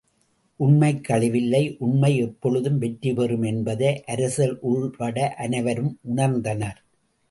உண்மைக்கு அழிவில்லை உண்மை எப்பொழுதும் வெற்றி பெறும் என்பதை அரசர் உள்பட அனைவரும் உணர்ந்தனர்.